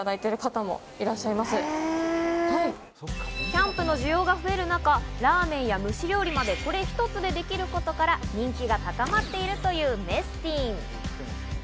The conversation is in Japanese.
キャンプの需要が増える中、ラーメンや蒸し料理までこれ一つでできることから人気が高まっているというメスティン。